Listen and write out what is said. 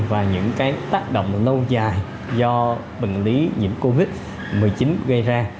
và những cái tác động lâu dài do bằng lý nhiễm covid một mươi chín gây ra